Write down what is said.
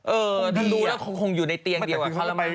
เออถ้ารู้แล้วคงอยู่ในเตียงดีกว่าเขาแล้วมั้ย